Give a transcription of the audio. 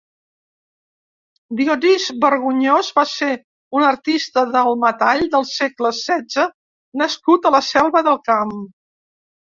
Dionís Vergonyós va ser un artista del metall del segle setze nascut a la Selva del Camp.